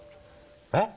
えっ？